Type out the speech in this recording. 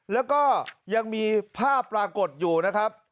แล้วก็ยังมีภาพปรากฏอยู่นะครับ